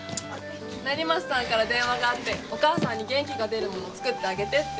成増さんから電話があってお母さんに元気が出るものを作ってあげてって。